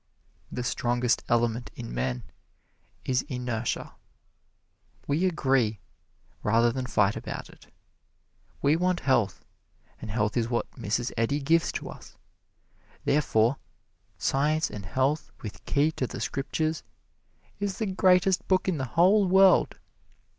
The strongest element in men is inertia we agree rather than fight about it. We want health and health is what Mrs. Eddy gives to us therefore, "Science and Health with Key to the Scriptures" is the greatest book in the whole world.